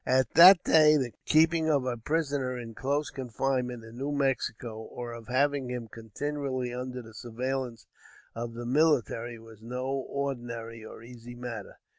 ] At that day the keeping of a prisoner in close confinement in New Mexico, or of having him continually under the surveillance of the military was no ordinary, or easy matter.